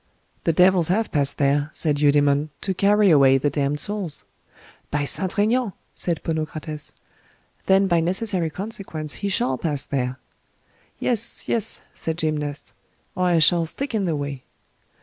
The devils have passed there, said Eudemon, to carry away the damned souls. By St. Treignan! said Ponocrates, then by necessary consequence he shall pass there. Yes, yes, said Gymnastes, or I shall stick in the way.